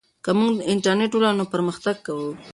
که موږ انټرنیټ ولرو نو پرمختګ کوو.